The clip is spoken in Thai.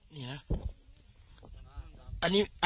นี่นะ